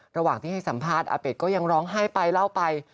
ระหว่างที่ให้สัมภาษณ์อาเป็ดก็ยังร้องไห้ไปเล่าไป